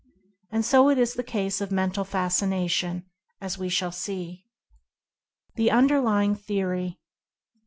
And so it is in the case of Mental Fascination, as we shall see. THE UNDERLYING THEORY.